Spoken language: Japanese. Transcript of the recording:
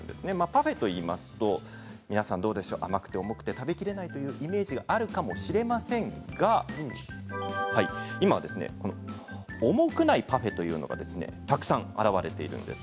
パフェといいますと甘くて重くて食べきれないというイメージがあるかもしれませんが今は重くないパフェというのがたくさん現れているんです。